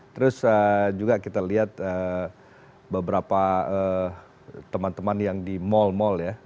terus juga kita lihat beberapa teman teman yang di mal mal ya